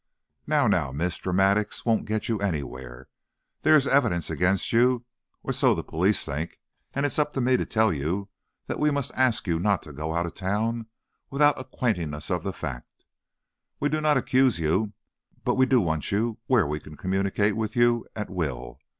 "Now, now, miss, dramatics won't get you anywheres! There is evidence against you, or so the police think, and it's up to me to tell you that we must ask you not to go out of town without acquainting us of the fact. We do not accuse you, but we do want you where we can communicate with you at will.